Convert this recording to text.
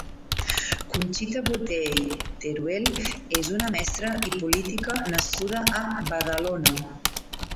Conxita Botey Teruel és una mestra i política nascuda a Badalona.